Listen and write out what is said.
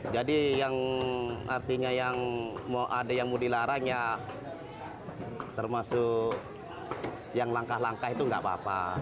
jadi yang artinya yang ada yang mau dilarang ya termasuk yang langkah langkah itu enggak apa apa